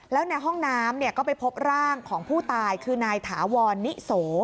แล้วในห้องน้ำก็ไปพบร่างของผู้ตายคือนายถาวรนิโส